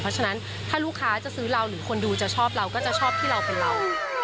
เพราะฉะนั้นถ้าลูกค้าจะซื้อเราหรือคนดูจะชอบเราก็จะชอบที่เราเป็นเรา